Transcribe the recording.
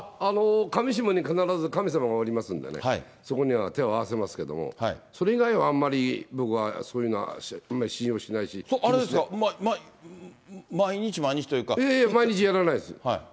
かみしもに必ず神様がおりますのでね、そこには手を合わせますけども、それ以外はあんまり僕はそういうのはあんまり信用しなあれですか、毎日毎日といういやいや、毎日やらないです。